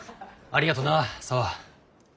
ありがとな沙和。